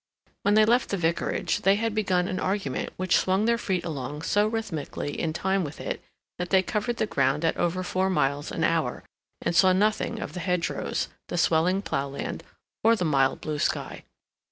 When they left the Vicarage, they had begun an argument which swung their feet along so rhythmically in time with it that they covered the ground at over four miles an hour, and saw nothing of the hedgerows, the swelling plowland, or the mild blue sky.